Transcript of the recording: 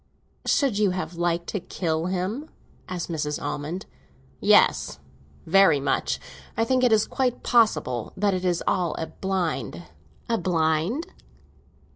"Should you have liked to kill him?" asked Mrs. Almond. "Yes, very much. I think it is quite possible that it is all a blind." "A blind?"